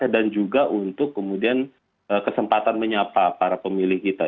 dan juga untuk kemudian kesempatan menyapa para pemilih kita